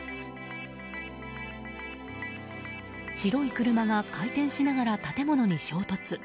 白い車が回転しながら建物に衝突。